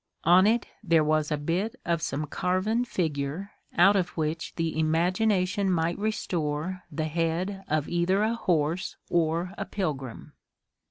On it there was a bit of some carven figure out of which the imagination might restore the head of either a horse or a pilgrim.